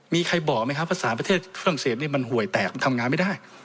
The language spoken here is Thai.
มีใครบอกไหมครับว่าอัตศาสตร์ประเทศฝรั่งเศสมันหวยแตกทำงานไม่ได้